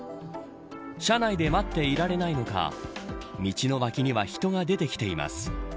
車内で待っていられないのか道の脇には人が出てきています。